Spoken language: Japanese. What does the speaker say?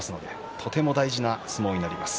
とても大事な相撲になります。